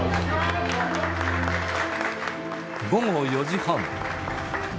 午後４時半。